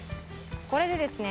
これでですね